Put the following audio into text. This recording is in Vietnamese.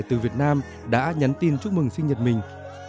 từ việt nam đã nhắn tin chúc mừng sinh nhật mình